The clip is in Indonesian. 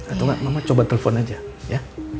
atau enggak mama coba telepon aja ya